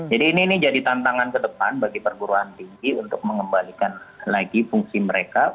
jadi ini jadi tantangan ke depan bagi perguruan tinggi untuk mengembalikan lagi fungsi mereka